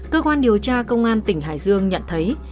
cơ quan điều tra công an tỉnh hải dương nhận thấy